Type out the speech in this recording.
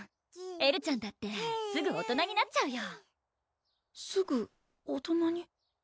エルちゃんだってすぐ大人になっちゃうよ